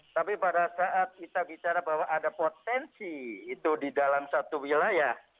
tapi pada saat kita bicara bahwa ada potensi itu di dalam satu wilayah